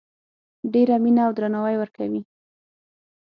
ډیره مینه او درناوی ورکوي